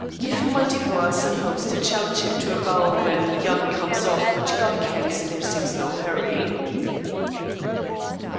Give him my devoirs and hopes to challenge him to a Bowl when Yon comes off which God kens there seems no hurry.